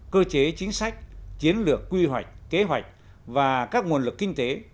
cơ chế chính sách chiến lược quy hoạch kế hoạch và các nguồn lực kinh tế